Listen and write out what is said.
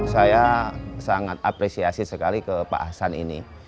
saya sangat apresiasi sekali ke pak hasan ini